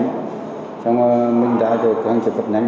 hơn là nhận cả tiền